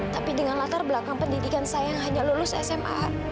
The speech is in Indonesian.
tapi dengan latar belakang pendidikan saya yang hanya lulus sma